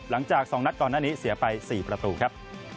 หลังจาก๒นัดก่อนหน้านี้เสียไป๔ประตูครับ